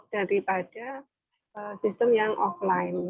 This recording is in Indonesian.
daripada sistem yang offline